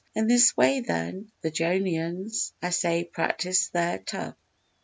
In this way, then, the Johnians, I say, practise their tub.